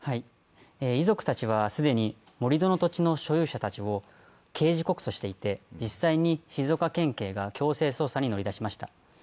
遺族たちは既に盛り土の土地の所有者たちを刑事告訴していて、実際に静岡県警が強制捜査に乗り出しました。